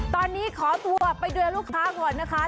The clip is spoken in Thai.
ตอนนี้ขอตัวไปด้วยลูกค้าก่อนนะคะ